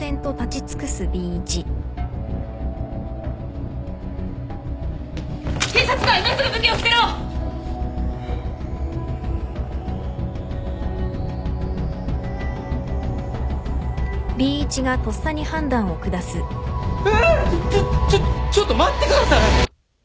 ちょっちょっちょっと待ってください！